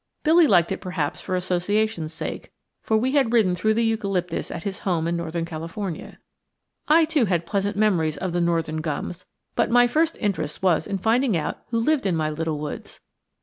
Billy liked it, perhaps, for association's sake, for we had ridden through the eucalyptus at his home in northern California. I too had pleasant memories of the northern gums, but my first interest was in finding out who lived in my little woods.